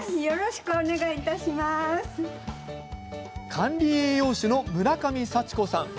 管理栄養士の村上祥子さん